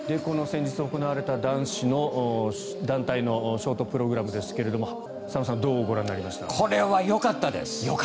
先日行われた団体の男子のショートプログラムですが佐野さんどうご覧になりましたか？これはよかったです。